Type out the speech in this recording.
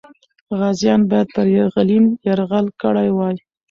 غازیان باید پر غلیم یرغل کړی وای.